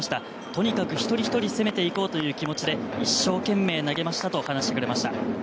とにかく一人ひとり攻めていこうという気持ちで一生懸命投げましたと話してくれました。